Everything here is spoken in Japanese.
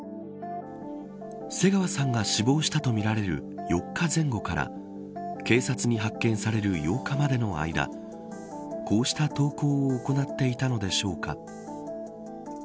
瀬川さんが死亡したとみられる４日前後から警察に発見される８日までの間こうした投稿を行っていたのでしょうか。